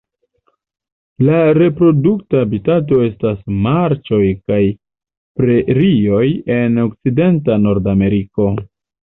La reprodukta habitato estas marĉoj kaj prerioj en okcidenta Nordameriko.